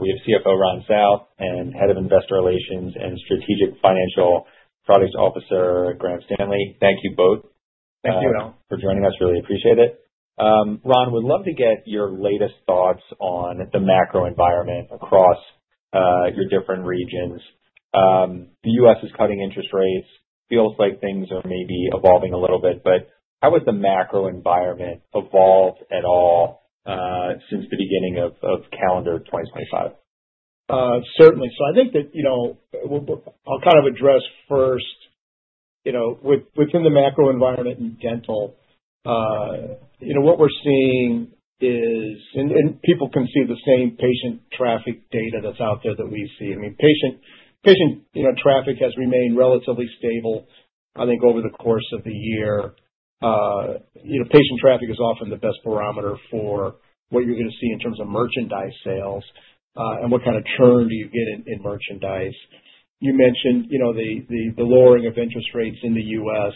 We have CFO Ron South and Head of Investor Relations and Strategic Financial Project Officer Graham Stanley. Thank you both. Thank you. For joining us. Really appreciate it. Ron, would love to get your latest thoughts on the macro environment across your different regions. The U.S. is cutting interest rates. Feels like things are maybe evolving a little bit, but how has the macro environment evolved at all since the beginning of calendar 2025? Certainly. So I think that I'll kind of address first within the macro environment in dental, what we're seeing is, and people can see the same patient traffic data that's out there that we see. I mean, patient traffic has remained relatively stable, I think, over the course of the year. Patient traffic is often the best barometer for what you're going to see in terms of merchandise sales and what kind of churn do you get in merchandise. You mentioned the lowering of interest rates in the U.S.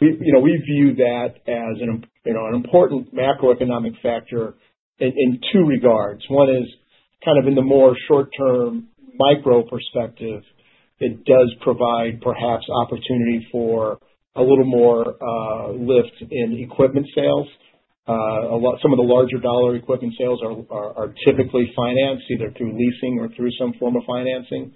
We view that as an important macroeconomic factor in two regards. One is kind of in the more short-term micro perspective, it does provide perhaps opportunity for a little more lift in equipment sales. Some of the larger dollar equipment sales are typically financed either through leasing or through some form of financing.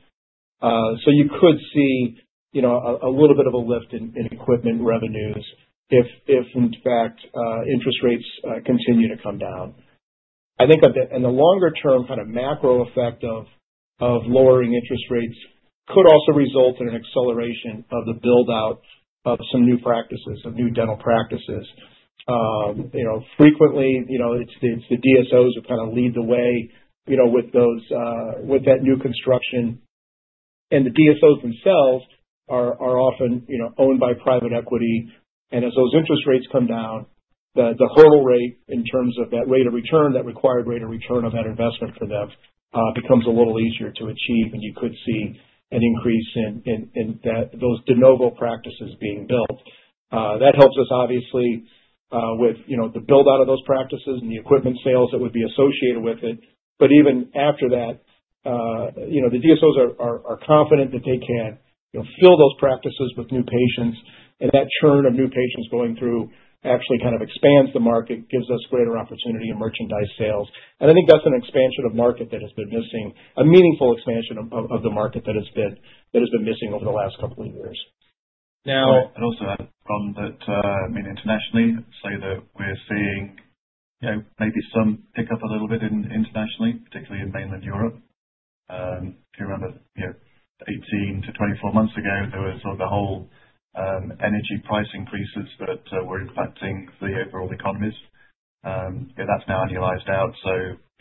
So you could see a little bit of a lift in equipment revenues if, in fact, interest rates continue to come down. And the longer-term kind of macro effect of lowering interest rates could also result in an acceleration of the build-out of some new practices, of new dental practices. Frequently, it's the DSOs who kind of lead the way with that new construction. And the DSOs themselves are often owned by private equity. And as those interest rates come down, the hurdle rate in terms of that rate of return, that required rate of return of that investment for them becomes a little easier to achieve. And you could see an increase in those de novo practices being built. That helps us, obviously, with the build-out of those practices and the equipment sales that would be associated with it. But even after that, the DSOs are confident that they can fill those practices with new patients. And that churn of new patients going through actually kind of expands the market, gives us greater opportunity in merchandise sales. And I think that's an expansion of market that has been missing, a meaningful expansion of the market that has been missing over the last couple of years. Now, I'd also add, Ron, that internationally, say that we're seeing maybe some pickup a little bit internationally, particularly in mainland Europe. If you remember, 18-24 months ago, there was the whole energy price increases that were impacting the overall economies. That's now annualized out. So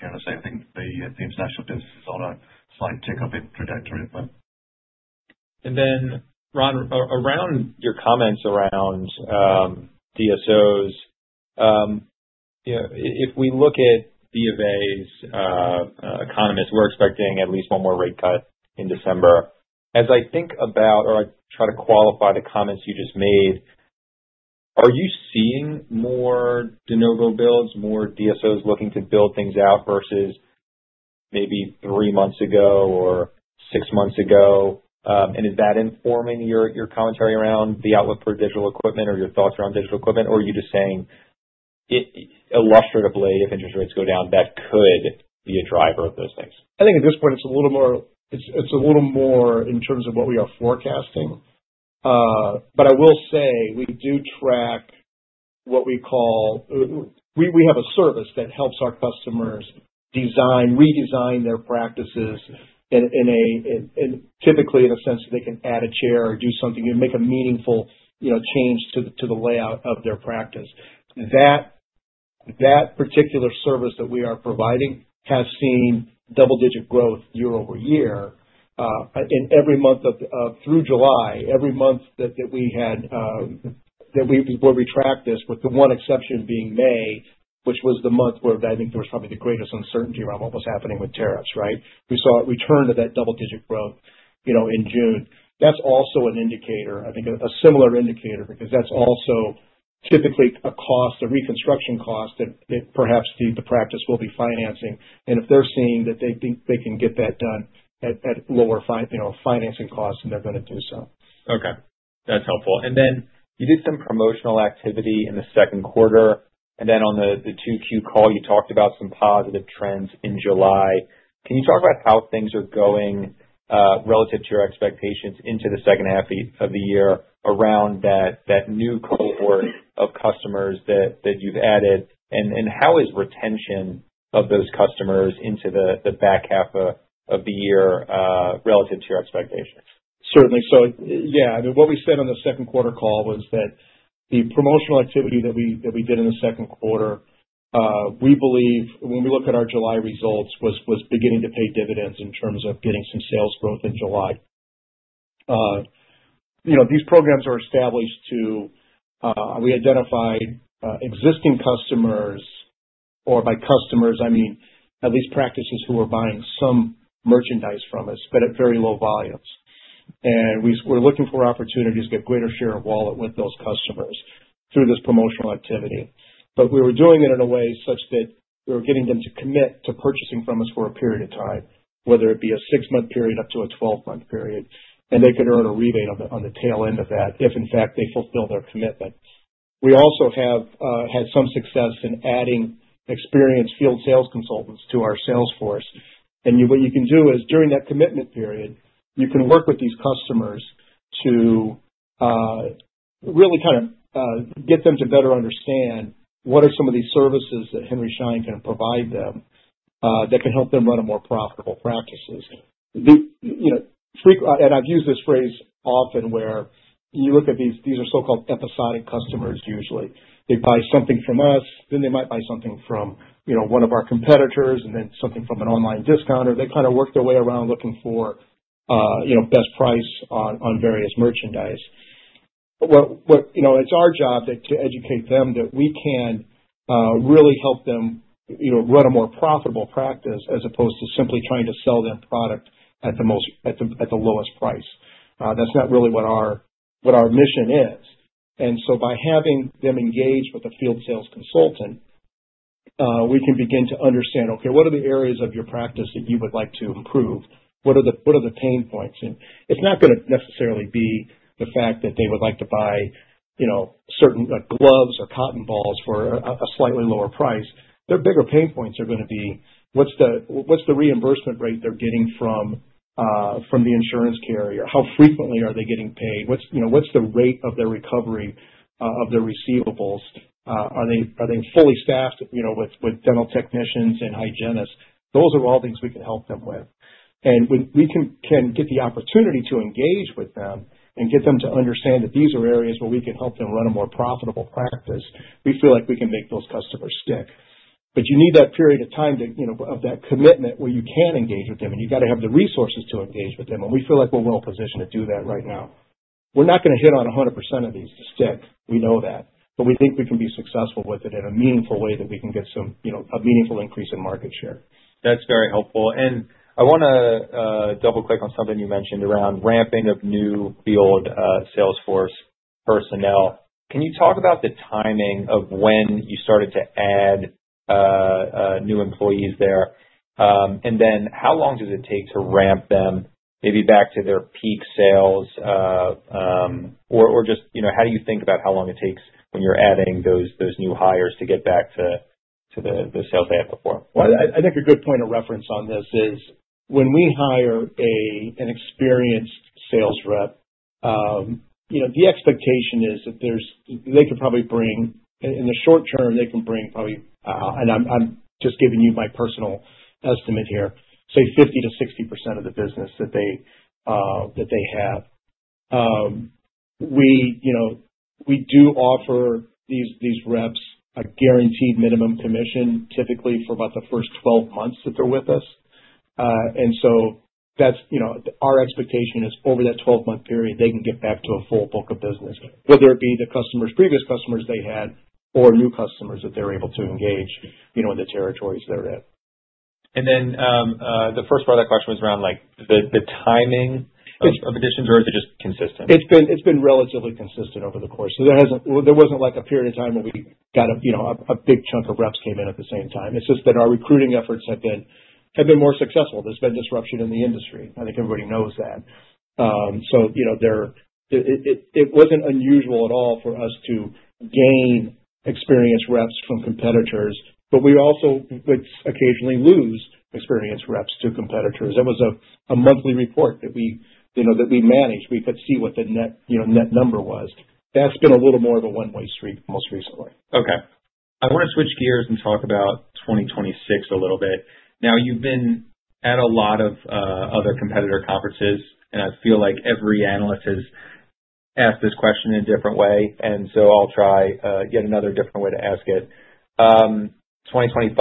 I think the international business is on a slight tick up in trajectory at the moment. And then, Ron, around your comments around DSOs, if we look at BofA's economists, we're expecting at least one more rate cut in December. As I think about or I try to qualify the comments you just made, are you seeing more de novo builds, more DSOs looking to build things out versus maybe three months ago or six months ago? And is that informing your commentary around the outlook for digital equipment or your thoughts around digital equipment? Or are you just saying, illustratively, if interest rates go down, that could be a driver of those things? I think at this point, it's a little more, it's a little more in terms of what we are forecasting. But I will say we do track what we call, we have a service that helps our customers redesign their practices, typically in a sense that they can add a chair or do something and make a meaningful change to the layout of their practice. That particular service that we are providing has seen double-digit growth year over year. And through July, every month that we had that we were retracted, with the one exception being May, which was the month where I think there was probably the greatest uncertainty around what was happening with tariffs, right? We saw a return to that double-digit growth in June. That's also an indicator, I think a similar indicator, because that's also typically a cost, a reconstruction cost that perhaps the practice will be financing. If they're seeing that they think they can get that done at lower financing costs, then they're going to do so. Okay. That's helpful. And then you did some promotional activity in the second quarter. And then on the Q2 call, you talked about some positive trends in July. Can you talk about how things are going relative to your expectations into the second half of the year around that new cohort of customers that you've added? And how is retention of those customers into the back half of the year relative to your expectations? Certainly, so yeah, I mean, what we said on the second quarter call was that the promotional activity that we did in the second quarter, we believe, when we look at our July results, was beginning to pay dividends in terms of getting some sales growth in July. These programs are established to, we identified existing customers, or, by customers, I mean, at least practices who are buying some merchandise from us, but at very low volumes, and we're looking for opportunities to get a greater share of wallet with those customers through this promotional activity, but we were doing it in a way such that we were getting them to commit to purchasing from us for a period of time, whether it be a six-month period up to a 12-month period, and they could earn a rebate on the tail end of that if, in fact, they fulfill their commitment. We also have had some success in adding experienced field sales consultants to our sales force. And what you can do is, during that commitment period, you can work with these customers to really kind of get them to better understand what are some of these services that Henry Schein can provide them that can help them run a more profitable practice. And I've used this phrase often where you look at these are so-called episodic customers, usually. They buy something from us, then they might buy something from one of our competitors, and then something from an online discounter. They kind of work their way around looking for best price on various merchandise. But it's our job to educate them that we can really help them run a more profitable practice as opposed to simply trying to sell their product at the lowest price. That's not really what our mission is. And so by having them engage with a field sales consultant, we can begin to understand, "Okay, what are the areas of your practice that you would like to improve? What are the pain points?" And it's not going to necessarily be the fact that they would like to buy certain gloves or cotton balls for a slightly lower price. Their bigger pain points are going to be, "What's the reimbursement rate they're getting from the insurance carrier? How frequently are they getting paid? What's the rate of their recovery of their receivables? Are they fully staffed with dental technicians and hygienists?" Those are all things we can help them with. And when we can get the opportunity to engage with them and get them to understand that these are areas where we can help them run a more profitable practice, we feel like we can make those customers stick. But you need that period of time of that commitment where you can engage with them, and you've got to have the resources to engage with them. And we feel like we're well-positioned to do that right now. We're not going to hit on 100% of these to stick. We know that. But we think we can be successful with it in a meaningful way that we can get a meaningful increase in market share. That's very helpful, and I want to double-click on something you mentioned around ramping of new field sales force personnel. Can you talk about the timing of when you started to add new employees there, and then how long does it take to ramp them maybe back to their peak sales, or just how do you think about how long it takes when you're adding those new hires to get back to the sales they had before? I think a good point of reference on this is when we hire an experienced sales rep, the expectation is that they could probably bring, in the short term, they can bring probably, and I'm just giving you my personal estimate here, say 50%-60% of the business that they have. We do offer these reps a guaranteed minimum commission, typically for about the first 12 months that they're with us, and so our expectation is over that 12-month period, they can get back to a full book of business, whether it be the customers, previous customers they had, or new customers that they're able to engage in the territories they're in. And then the first part of that question was around the timing of additions, or is it just consistent? It's been relatively consistent over the course. So there wasn't a period of time where we got a big chunk of reps came in at the same time. It's just that our recruiting efforts have been more successful. There's been disruption in the industry. I think everybody knows that. So it wasn't unusual at all for us to gain experienced reps from competitors, but we also would occasionally lose experienced reps to competitors. That was a monthly report that we managed. We could see what the net number was. That's been a little more of a one-way street most recently. Okay. I want to switch gears and talk about 2026 a little bit. Now, you've been at a lot of other competitor conferences, and I feel like every analyst has asked this question in a different way. And so I'll try yet another different way to ask it. 2025,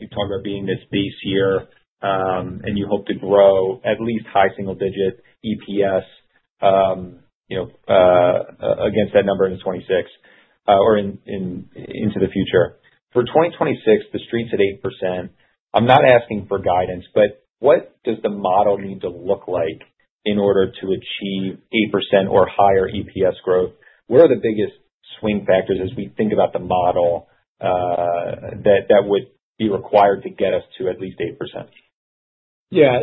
you talk about being this base year, and you hope to grow at least high single-digit EPS against that number in 2026 or into the future. For 2026, the street's at 8%. I'm not asking for guidance, but what does the model need to look like in order to achieve 8% or higher EPS growth? What are the biggest swing factors as we think about the model that would be required to get us to at least 8%? Yeah.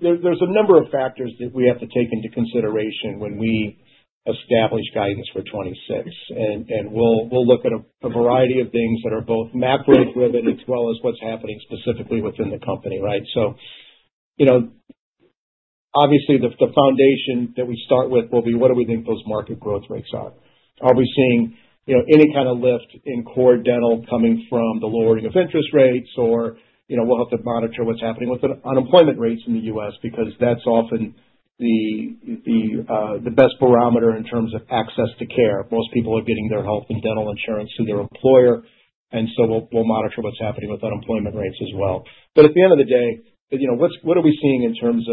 There's a number of factors that we have to take into consideration when we establish guidance for 2026. And we'll look at a variety of things that are both macro-equivalent as well as what's happening specifically within the company, right? So obviously, the foundation that we start with will be, what do we think those market growth rates are? Are we seeing any kind of lift in core dental coming from the lowering of interest rates? Or we'll have to monitor what's happening with unemployment rates in the U.S. because that's often the best barometer in terms of access to care. Most people are getting their health and dental insurance through their employer. And so we'll monitor what's happening with unemployment rates as well. But at the end of the day, what are we seeing in terms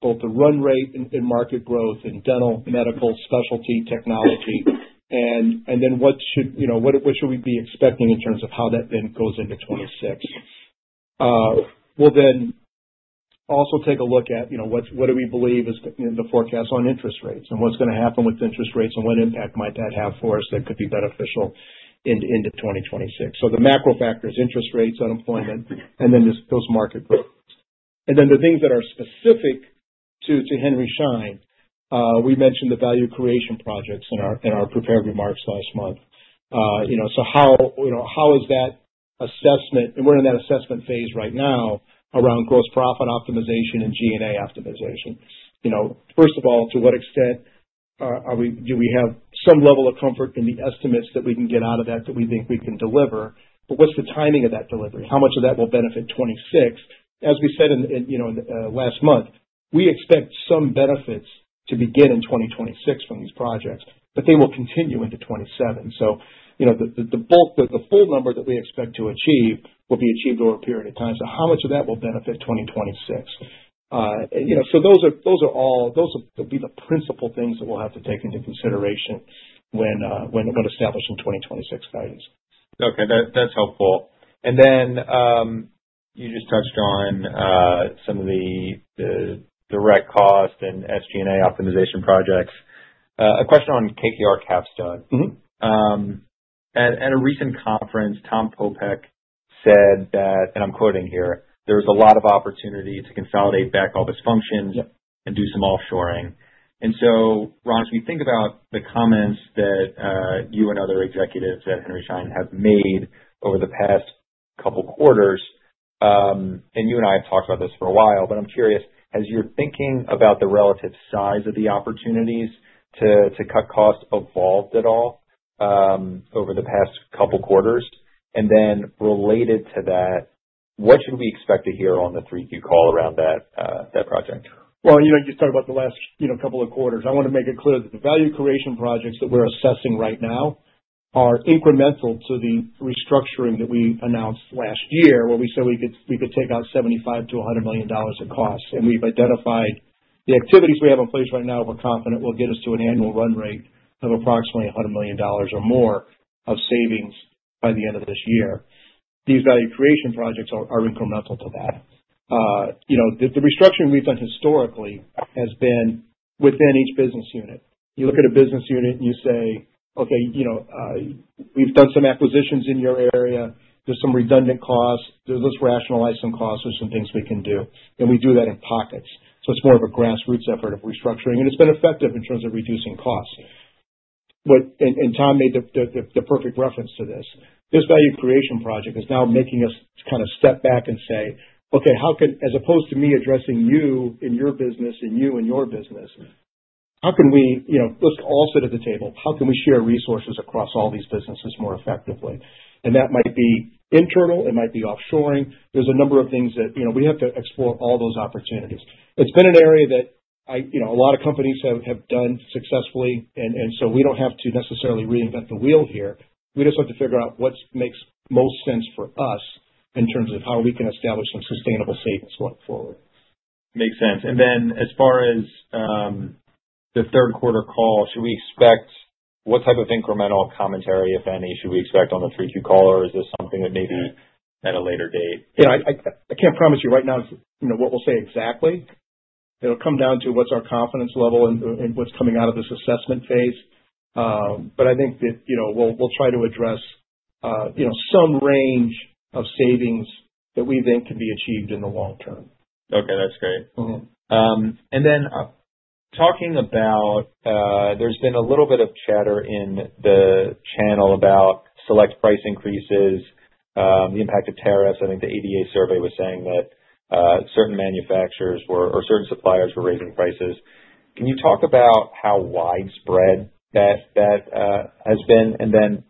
of both the run rate and market growth in Dental, Medical, Specialty, Technology? And then what should we be expecting in terms of how that then goes into 2026? We'll then also take a look at what do we believe is the forecast on interest rates and what's going to happen with interest rates and what impact might that have for us that could be beneficial into 2026. So the macro factors, interest rates, unemployment, and then those market growth. And then the things that are specific to Henry Schein, we mentioned the value creation projects in our prepared remarks last month. So how is that assessment? And we're in that assessment phase right now around gross profit optimization and G&A optimization. First of all, to what extent do we have some level of comfort in the estimates that we can get out of that we think we can deliver? But what's the timing of that delivery? How much of that will benefit 2026? As we said last month, we expect some benefits to begin in 2026 from these projects, but they will continue into 2027. So the full number that we expect to achieve will be achieved over a period of time. So how much of that will benefit 2026? So those are all. Those will be the principal things that we'll have to take into consideration when establishing 2026 values. Okay. That's helpful. And then you just touched on some of the direct cost and SG&A optimization projects. A question on KKR Capstone. At a recent conference, Tom Popeck said that, and I'm quoting here, "There was a lot of opportunity to consolidate back all these functions and do some offshoring." And so, Ron, as we think about the comments that you and other executives at Henry Schein have made over the past couple of quarters, and you and I have talked about this for a while, but I'm curious, as you're thinking about the relative size of the opportunities to cut costs have evolved at all over the past couple of quarters? And then related to that, what should we expect to hear on the 3Q call around that project? You talked about the last couple of quarters. I want to make it clear that the value creation projects that we're assessing right now are incremental to the restructuring that we announced last year where we said we could take out $75-$100 million of costs. We've identified the activities we have in place right now. We're confident we'll get us to an annual run rate of approximately $100 million or more of savings by the end of this year. These value creation projects are incremental to that. The restructuring we've done historically has been within each business unit. You look at a business unit and you say, "Okay, we've done some acquisitions in your area. There's some redundant costs. Let's rationalize some costs. There's some things we can do." We do that in pockets. It's more of a grassroots effort of restructuring. It's been effective in terms of reducing costs. Tom made the perfect reference to this. This value creation project is now making us kind of step back and say, "Okay, as opposed to me addressing you in your business and you in your business, how can we, let's all sit at the table. How can we share resources across all these businesses more effectively?" That might be internal. It might be offshoring. There's a number of things that we have to explore all those opportunities. It's been an area that a lot of companies have done successfully. So we don't have to necessarily reinvent the wheel here. We just have to figure out what makes most sense for us in terms of how we can establish some sustainable savings going forward. Makes sense, and then as far as the third quarter call, should we expect what type of incremental commentary, if any, should we expect on the Q3 call? Or is this something that maybe at a later date? Yeah. I can't promise you right now what we'll say exactly. It'll come down to what's our confidence level and what's coming out of this assessment phase. But I think that we'll try to address some range of savings that we think can be achieved in the long term. Okay. That's great. And then talking about there's been a little bit of chatter in the channel about select price increases, the impact of tariffs. I think the ADA survey was saying that certain manufacturers or certain suppliers were raising prices. Can you talk about how widespread that has been? And then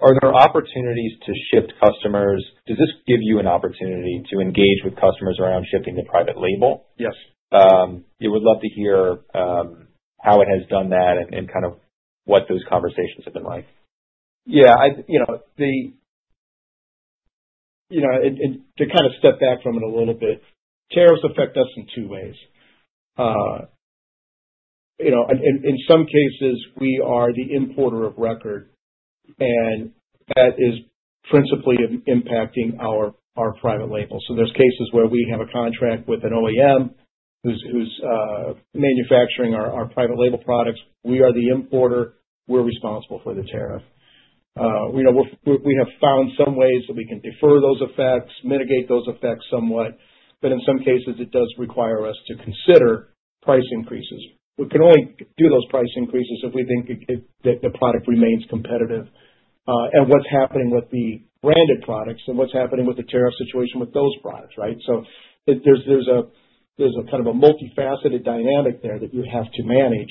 are there opportunities to shift customers? Does this give you an opportunity to engage with customers around shifting the private label? Yes. You would love to hear how it has done that and kind of what those conversations have been like. Yeah. To kind of step back from it a little bit, tariffs affect us in two ways. In some cases, we are the importer of record, and that is principally impacting our private label. So there's cases where we have a contract with an OEM who's manufacturing our private label products. We are the importer. We're responsible for the tariff. We have found some ways that we can defer those effects, mitigate those effects somewhat. But in some cases, it does require us to consider price increases. We can only do those price increases if we think that the product remains competitive. And what's happening with the branded products and what's happening with the tariff situation with those products, right? So there's a kind of a multifaceted dynamic there that you have to manage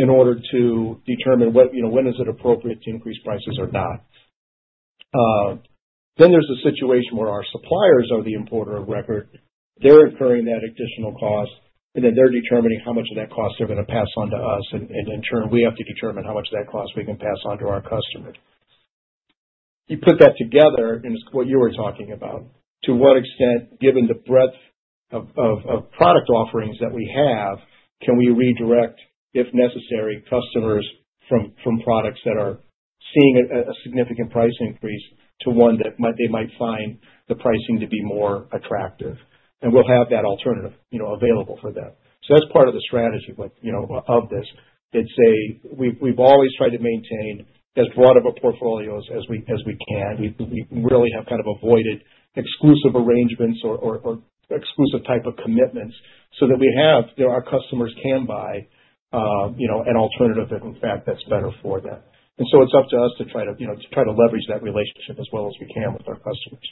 in order to determine when is it appropriate to increase prices or not. Then there's a situation where our suppliers are the importer of record. They're incurring that additional cost, and then they're determining how much of that cost they're going to pass on to us. And in turn, we have to determine how much of that cost we can pass on to our customers. You put that together and it's what you were talking about. To what extent, given the breadth of product offerings that we have, can we redirect, if necessary, customers from products that are seeing a significant price increase to one that they might find the pricing to be more attractive? And we'll have that alternative available for them. So that's part of the strategy of this. It's a—we've always tried to maintain as broad of a portfolio as we can. We really have kind of avoided exclusive arrangements or exclusive type of commitments so that we have, there are customers who can buy an alternative that, in fact, that's better for them, and so it's up to us to try to leverage that relationship as well as we can with our customers.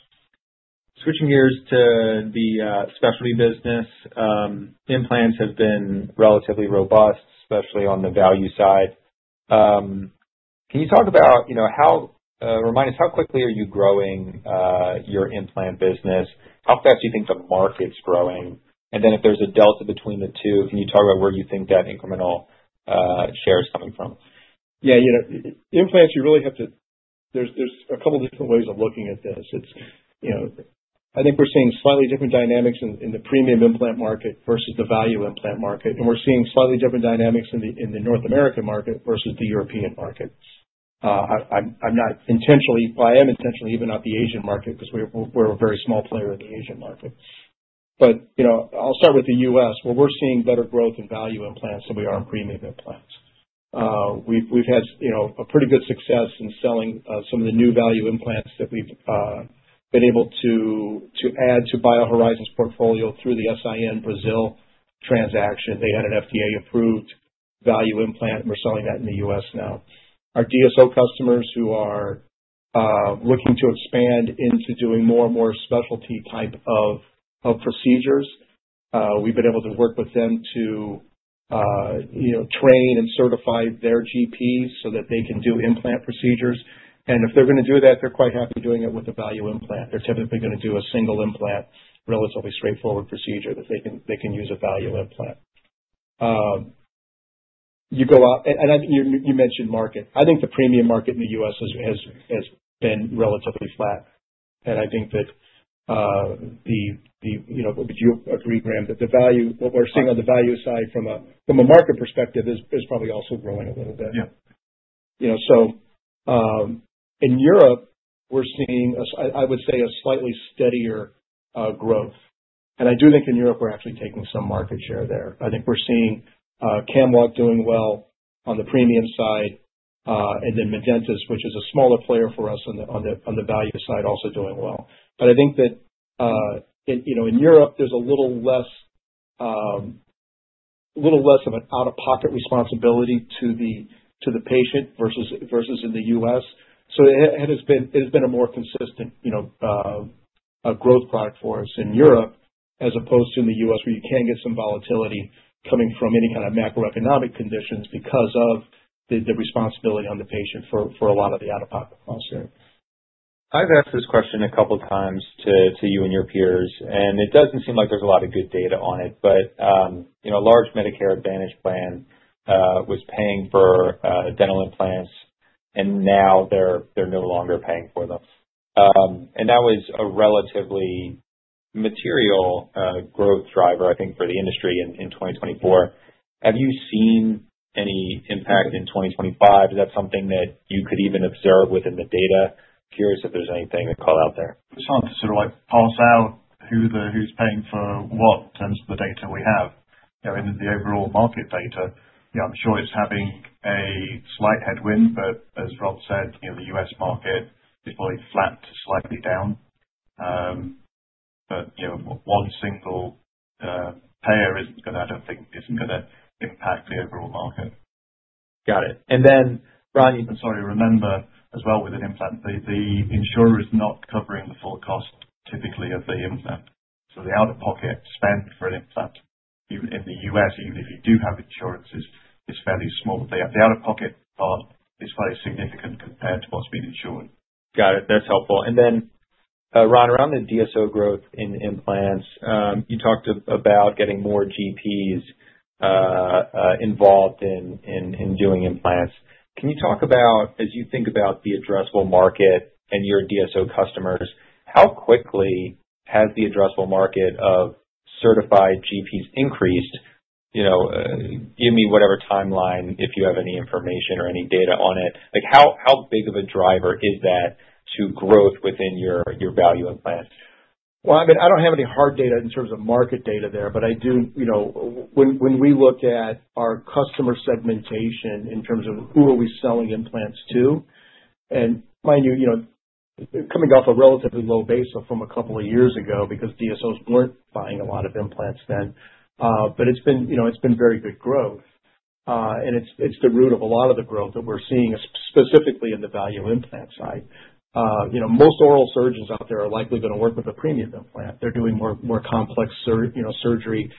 Switching gears to the specialty business, implants have been relatively robust, especially on the value side. Can you talk about how, remind us, how quickly are you growing your implant business? How fast do you think the market's growing? And then if there's a delta between the two, can you talk about where you think that incremental share is coming from? Yeah. Implants, you really have to. There's a couple of different ways of looking at this. I think we're seeing slightly different dynamics in the premium implant market versus the value implant market. And we're seeing slightly different dynamics in the North American market versus the European market. I'm not intentionally. Well, I am intentionally even not the Asian market because we're a very small player in the Asian market. But I'll start with the US. Well, we're seeing better growth in value implants than we are in premium implants. We've had a pretty good success in selling some of the new value implants that we've been able to add to BioHorizons's portfolio through the S.I.N Brazil transaction. They had an FDA-approved value implant, and we're selling that in the US now. Our DSO customers who are looking to expand into doing more and more specialty type of procedures, we've been able to work with them to train and certify their GPs so that they can do implant procedures. If they're going to do that, they're quite happy doing it with a value implant. They're typically going to do a single implant, relatively straightforward procedure that they can use a value implant. You go out, and I think you mentioned market. I think the premium market in the U.S. has been relatively flat. I think that the, would you agree, Graham, that the value, what we're seeing on the value side from a market perspective is probably also growing a little bit? Yeah. So in Europe, we're seeing, I would say, a slightly steadier growth. And I do think in Europe, we're actually taking some market share there. I think we're seeing Camlog doing well on the premium side, and then Medentis, which is a smaller player for us on the value side, also doing well. But I think that in Europe, there's a little less of an out-of-pocket responsibility to the patient versus in the US. So it has been a more consistent growth product for us in Europe as opposed to in the US where you can get some volatility coming from any kind of macroeconomic conditions because of the responsibility on the patient for a lot of the out-of-pocket costs there. I've asked this question a couple of times to you and your peers, and it doesn't seem like there's a lot of good data on it, but a large Medicare Advantage plan was paying for dental implants, and now they're no longer paying for them, and that was a relatively material growth driver, I think, for the industry in 2024. Have you seen any impact in 2025? Is that something that you could even observe within the data? Curious if there's anything to call out there. It's hard to sort of parse out who's paying for what in terms of the data we have in the overall market data. I'm sure it's having a slight headwind, but as Ron said, the U.S. market is probably flat to slightly down. But one single payer isn't going to - I don't think it's going to impact the overall market. Got it, and then, Ron. I'm sorry, remember as well with an implant, the insurer is not covering the full cost typically of the implant. So the out-of-pocket spend for an implant in the U.S., even if you do have insurances, is fairly small. The out-of-pocket part is quite significant compared to what's being insured. Got it. That's helpful. And then, Ron, around the DSO growth in implants, you talked about getting more GPs involved in doing implants. Can you talk about, as you think about the addressable market and your DSO customers, how quickly has the addressable market of certified GPs increased? Give me whatever timeline if you have any information or any data on it. How big of a driver is that to growth within your value implants? I mean, I don't have any hard data in terms of market data there, but I do, when we look at our customer segmentation in terms of who are we selling implants to, and mind you, coming off a relatively low basis from a couple of years ago because DSOs weren't buying a lot of implants then, but it's been very good growth. It's the root of a lot of the growth that we're seeing specifically in the value implant side. Most oral surgeons out there are likely going to work with a premium implant. They're doing more complex surgery.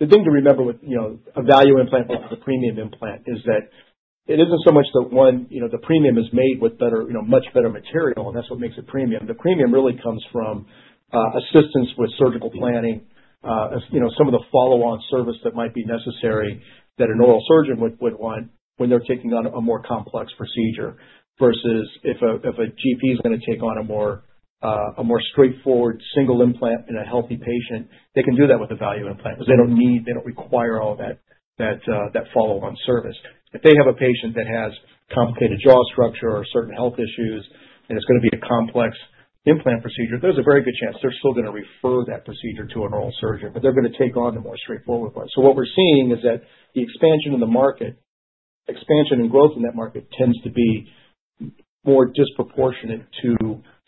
The thing to remember with a value implant versus a premium implant is that it isn't so much that, one, the premium is made with much better material, and that's what makes it premium. The premium really comes from assistance with surgical planning, some of the follow-on service that might be necessary that an oral surgeon would want when they're taking on a more complex procedure versus if a GP is going to take on a more straightforward single implant in a healthy patient, they can do that with a value implant because they don't need, they don't require all that follow-on service. If they have a patient that has complicated jaw structure or certain health issues, and it's going to be a complex implant procedure, there's a very good chance they're still going to refer that procedure to an oral surgeon, but they're going to take on the more straightforward one. So what we're seeing is that the expansion in the market, expansion and growth in that market tends to be more disproportionate to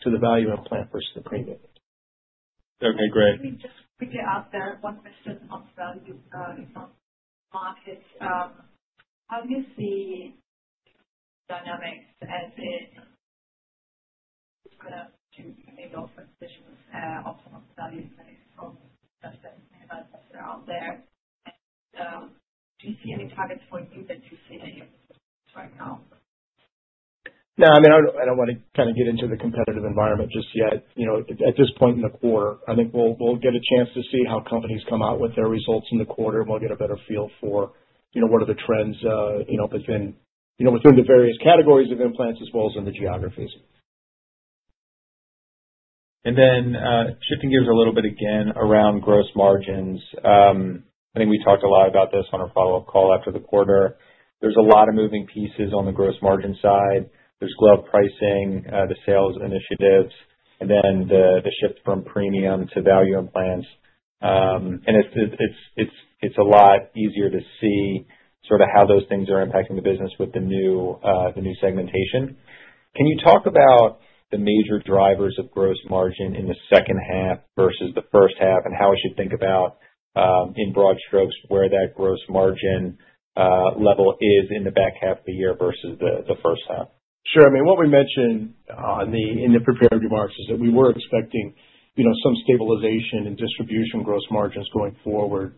the value implant versus the premium. Okay. Great. Let me just quickly ask that one question about value implant markets. How do you see dynamics as it is going to make all transitions optimal value implants that are out there, and do you see any targets for you that you see that you're focused right now? No, I mean, I don't want to kind of get into the competitive environment just yet. At this point in the quarter, I think we'll get a chance to see how companies come out with their results in the quarter, and we'll get a better feel for what are the trends within the various categories of implants as well as in the geographies. And then shifting gears a little bit again around gross margins. I think we talked a lot about this on our follow-up call after the quarter. There's a lot of moving pieces on the gross margin side. There's glove pricing, the sales initiatives, and then the shift from premium to value implants. And it's a lot easier to see sort of how those things are impacting the business with the new segmentation. Can you talk about the major drivers of gross margin in the second half versus the first half, and how we should think about in broad strokes where that gross margin level is in the back half of the year versus the first half? Sure. I mean, what we mentioned in the prepared remarks is that we were expecting some stabilization in distribution gross margins going forward.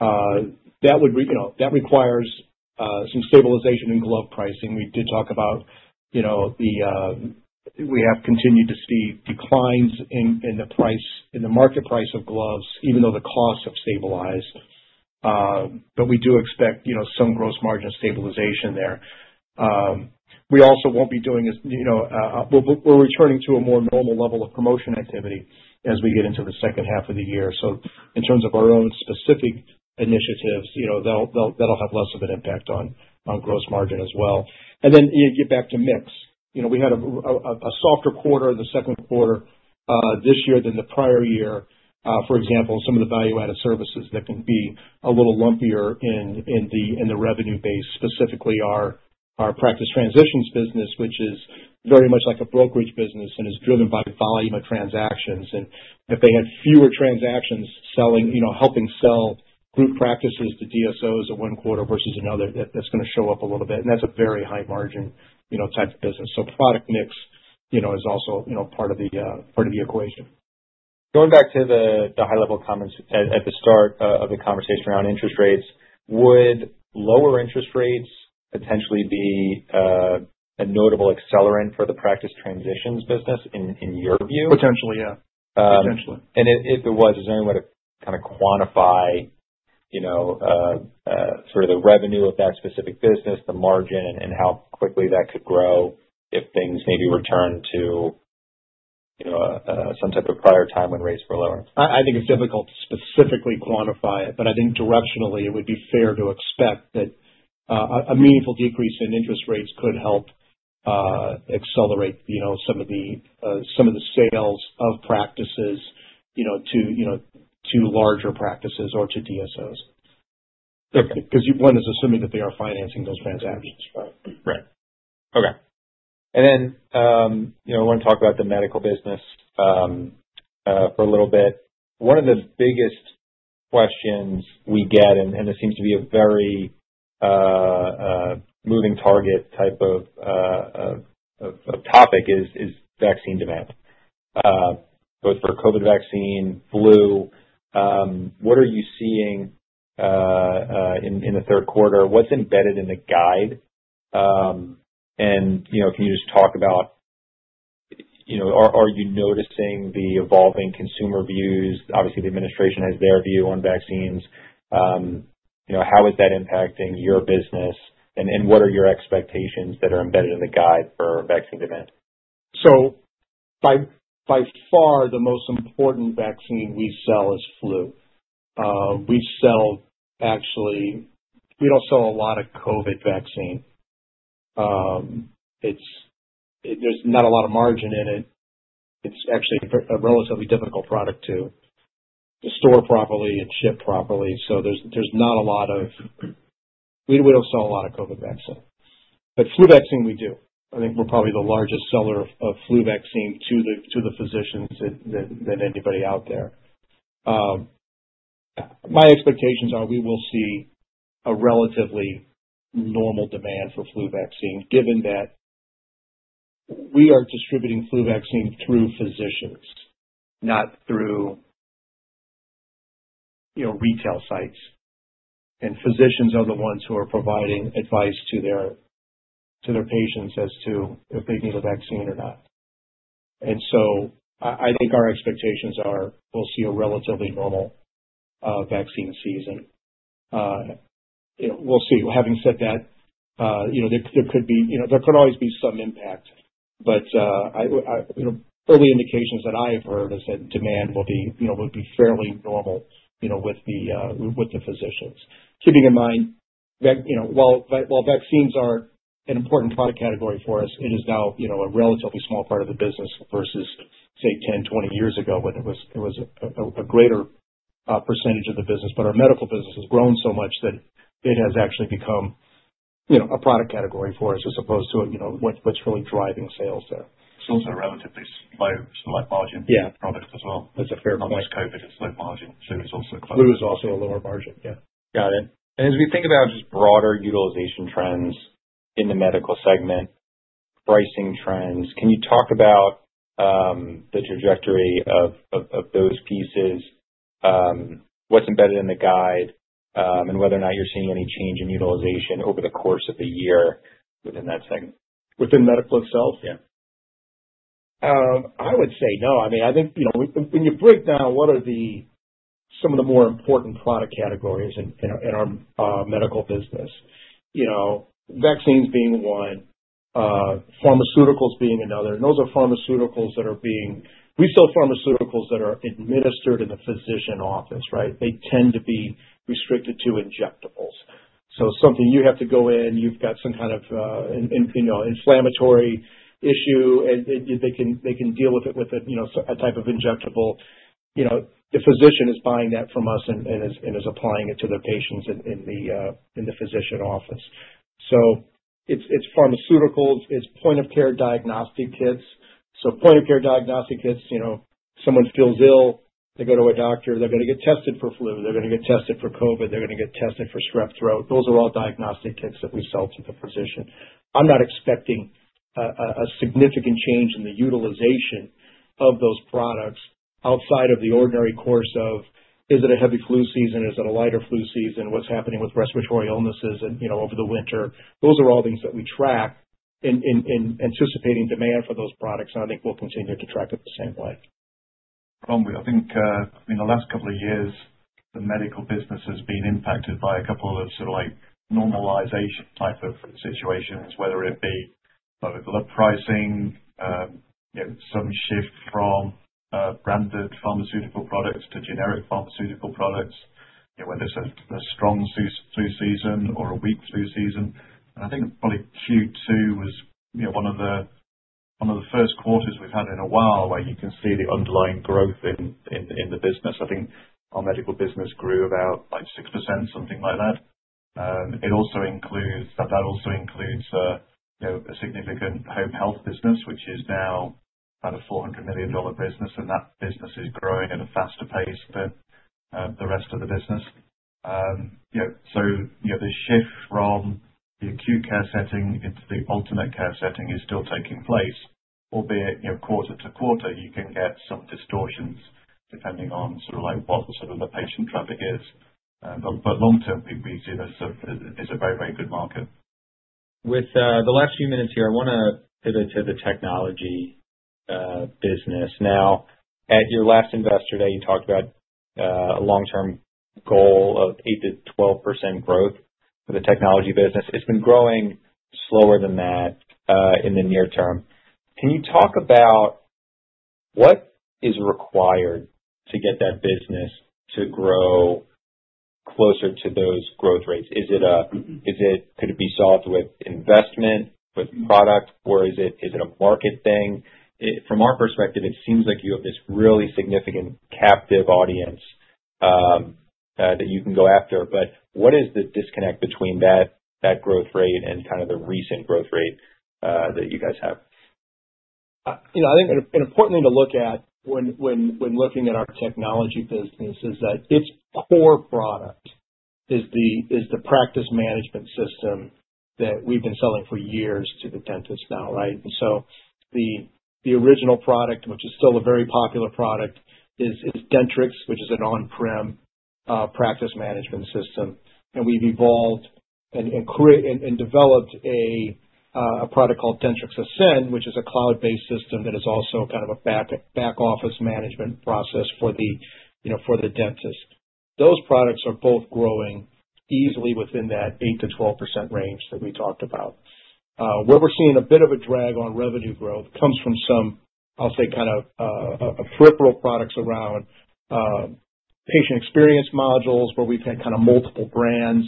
That requires some stabilization in glove pricing. We did talk about. We have continued to see declines in the market price of gloves, even though the costs have stabilized. But we do expect some gross margin stabilization there. We also won't be doing as. We're returning to a more normal level of promotion activity as we get into the second half of the year. So in terms of our own specific initiatives, that'll have less of an impact on gross margin as well. And then you get back to mix. We had a softer quarter in the second quarter this year than the prior year. For example, some of the value-added services that can be a little lumpier in the revenue base, specifically our Practice Transitions business, which is very much like a brokerage business and is driven by volume of transactions, and if they had fewer transactions helping sell group practices to DSOs in one quarter versus another, that's going to show up a little bit, and that's a very high-margin type of business, so product mix is also part of the equation. Going back to the high-level comments at the start of the conversation around interest rates, would lower interest rates potentially be a notable accelerant for the Practice Transitions business in your view? Potentially, yeah. Potentially. If it was, is there any way to kind of quantify sort of the revenue of that specific business, the margin, and how quickly that could grow if things maybe return to some type of prior time when rates were lower? I think it's difficult to specifically quantify it, but I think directionally, it would be fair to expect that a meaningful decrease in interest rates could help accelerate some of the sales of practices to larger practices or to DSOs. Because one is assuming that they are financing those transactions, right? Right. Okay. And then I want to talk about the medical business for a little bit. One of the biggest questions we get, and it seems to be a very moving target type of topic, is vaccine demand, both for COVID vaccine, flu. What are you seeing in the third quarter? What's embedded in the guide? And can you just talk about, are you noticing the evolving consumer views? Obviously, the administration has their view on vaccines. How is that impacting your business? And what are your expectations that are embedded in the guide for vaccine demand? By far, the most important vaccine we sell is flu. We sell actually, we don't sell a lot of COVID vaccine. There's not a lot of margin in it. It's actually a relatively difficult product to store properly and ship properly. So there's not a lot of, we don't sell a lot of COVID vaccine. But flu vaccine, we do. I think we're probably the largest seller of flu vaccine to the physicians than anybody out there. My expectations are we will see a relatively normal demand for flu vaccine, given that we are distributing flu vaccine through physicians, not through retail sites. And physicians are the ones who are providing advice to their patients as to if they need a vaccine or not. And so I think our expectations are we'll see a relatively normal vaccine season. We'll see. Having said that, there could be, there could always be some impact. But early indications that I have heard is that demand will be fairly normal with the physicians. Keeping in mind that while vaccines are an important product category for us, it is now a relatively small part of the business versus, say, 10, 20 years ago when it was a greater percentage of the business. But our medical business has grown so much that it has actually become a product category for us as opposed to what's really driving sales there. It's a relatively low margin product as well. That's a fair point. Post-COVID, it's low margin. Flu is also a close. Flu is also a lower margin. Yeah. Got it, and as we think about just broader utilization trends in the medical segment, pricing trends, can you talk about the trajectory of those pieces, what's embedded in the guide, and whether or not you're seeing any change in utilization over the course of the year within that segment? Within medical itself? Yeah. I would say no. I mean, I think when you break down what are some of the more important product categories in our medical business, vaccines being one, pharmaceuticals being another, and those are pharmaceuticals that are being, we sell pharmaceuticals that are administered in the physician office, right? They tend to be restricted to injectables, so something you have to go in, you've got some kind of inflammatory issue, and they can deal with it with a type of injectable. The physician is buying that from us and is applying it to their patients in the physician office, so it's pharmaceuticals. It's point-of-care diagnostic kits, so point-of-care diagnostic kits, someone feels ill, they go to a doctor, they're going to get tested for flu, they're going to get tested for COVID, they're going to get tested for strep throat. Those are all diagnostic kits that we sell to the physician. I'm not expecting a significant change in the utilization of those products outside of the ordinary course of—is it a heavy flu season? Is it a lighter flu season? What's happening with respiratory illnesses over the winter? Those are all things that we track in anticipating demand for those products, and I think we'll continue to track it the same way. I think in the last couple of years, the medical business has been impacted by a couple of sort of normalization type of situations, whether it be glove pricing, some shift from branded pharmaceutical products to generic pharmaceutical products, whether it's a strong flu season or a weak flu season, and I think probably Q2 was one of the first quarters we've had in a while where you can see the underlying growth in the business. I think our medical business grew about 6%, something like that. That also includes a significant home health business, which is now about a $400 million business, and that business is growing at a faster pace than the rest of the business, so the shift from the acute care setting into the alternate care setting is still taking place, albeit quarter to quarter. You can get some distortions depending on sort of what sort of the patient traffic is. But long term, we see this is a very, very good market. With the last few minutes here, I want to pivot to the technology business. Now, at your last investor day, you talked about a long-term goal of 8%-12% growth for the technology business. It's been growing slower than that in the near term. Can you talk about what is required to get that business to grow closer to those growth rates? Could it be solved with investment, with product, or is it a market thing? From our perspective, it seems like you have this really significant captive audience that you can go after. But what is the disconnect between that growth rate and kind of the recent growth rate that you guys have? I think an important thing to look at when looking at our technology business is that its core product is the practice management system that we've been selling for years to the dentists now, right? And so the original product, which is still a very popular product, is Dentrix, which is an on-prem practice management system. And we've evolved and developed a product called Dentrix Ascend, which is a cloud-based system that is also kind of a back office management process for the dentist. Those products are both growing easily within that 8%-12% range that we talked about. Where we're seeing a bit of a drag on revenue growth comes from some, I'll say, kind of peripheral products around patient experience modules where we've had kind of multiple brands,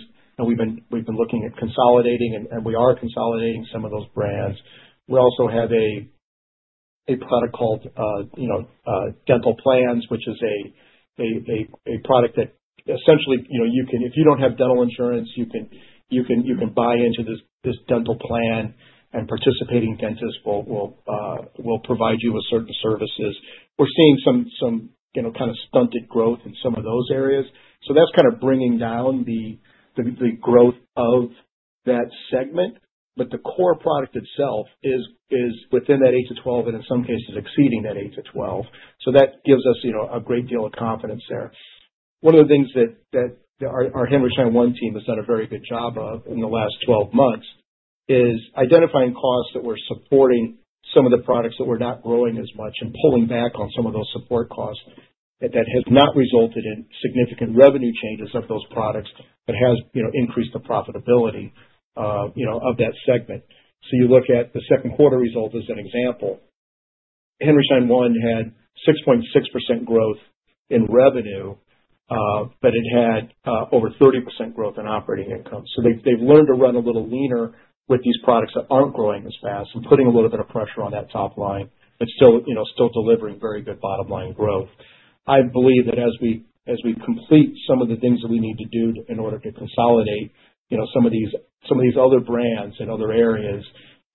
and we've been looking at consolidating, and we are consolidating some of those brands. We also have a product called DentalPlans, which is a product that essentially you can, if you don't have dental insurance, you can buy into this dental plan, and participating dentists will provide you with certain services. We're seeing some kind of stunted growth in some of those areas. So that's kind of bringing down the growth of that segment. But the core product itself is within that 8-12, and in some cases, exceeding that 8-12. So that gives us a great deal of confidence there. One of the things that our Henry Schein One team has done a very good job of in the last 12 months is identifying costs that we're supporting some of the products that we're not growing as much and pulling back on some of those support costs that have not resulted in significant revenue changes of those products but have increased the profitability of that segment. So you look at the second quarter result as an example. Henry Schein One had 6.6% growth in revenue, but it had over 30% growth in operating income. So they've learned to run a little leaner with these products that aren't growing as fast and putting a little bit of pressure on that top line, but still delivering very good bottom-line growth. I believe that as we complete some of the things that we need to do in order to consolidate some of these other brands in other areas,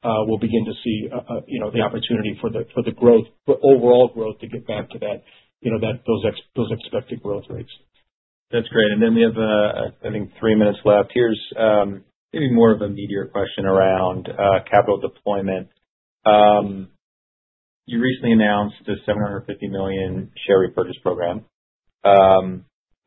we'll begin to see the opportunity for the overall growth to get back to those expected growth rates. That's great. And then we have, I think, three minutes left. Here's maybe more of a meatier question around capital deployment. You recently announced the $750 million share repurchase program.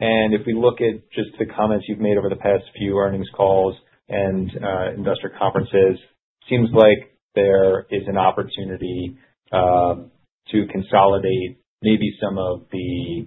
And if we look at just the comments you've made over the past few earnings calls and investor conferences, it seems like there is an opportunity to consolidate maybe some of the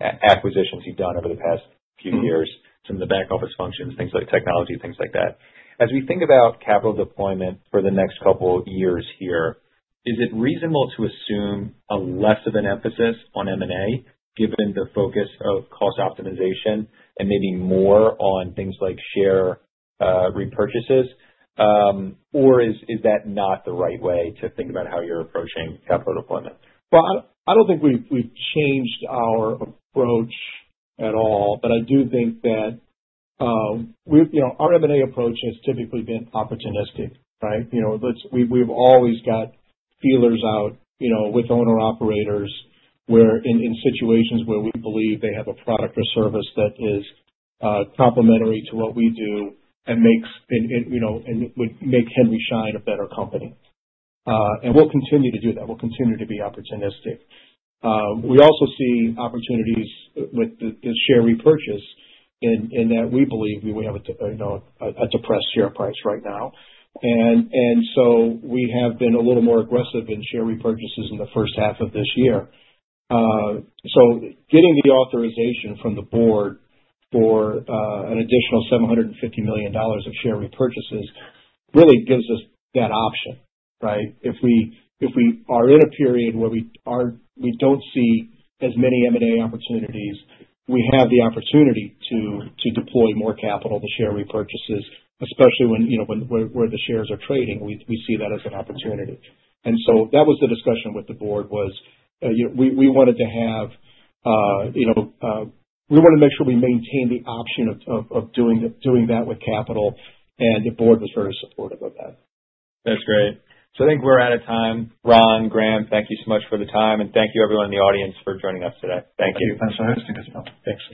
acquisitions you've done over the past few years, some of the back office functions, things like technology, things like that. As we think about capital deployment for the next couple of years here, is it reasonable to assume less of an emphasis on M&A given the focus of cost optimization and maybe more on things like share repurchases? Or is that not the right way to think about how you're approaching capital deployment? I don't think we've changed our approach at all, but I do think that our M&A approach has typically been opportunistic, right? We've always got feelers out with owner-operators in situations where we believe they have a product or service that is complementary to what we do and would make Henry Schein a better company. We'll continue to do that. We'll continue to be opportunistic. We also see opportunities with the share repurchase in that we believe we have a depressed share price right now. We have been a little more aggressive in share repurchases in the first half of this year. Getting the authorization from the board for an additional $750 million of share repurchases really gives us that option, right? If we are in a period where we don't see as many M&A opportunities, we have the opportunity to deploy more capital to share repurchases, especially when the shares are trading. We see that as an opportunity. And so that was the discussion with the board. We wanted to make sure we maintained the option of doing that with capital. And the board was very supportive of that. That's great. So I think we're out of time. Ron, Graham, thank you so much for the time. And thank you, everyone in the audience, for joining us today. Thank you. Thank you, for hosting. Thanks.